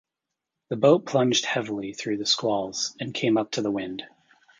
The boat plunged heavily through the squalls and came up to the wind.